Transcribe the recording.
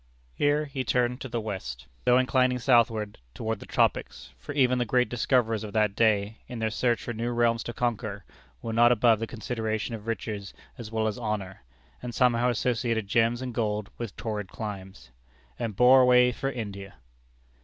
Here he turned to the west, though inclining southward toward the tropics (for even the great discoverers of that day, in their search for new realms to conquer, were not above the consideration of riches as well as honor, and somehow associated gems and gold with torrid climes), and bore away for India!